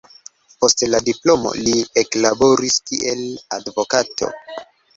Post la diplomo li eklaboris kiel advokato.